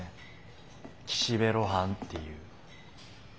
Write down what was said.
「岸辺露伴」っていう。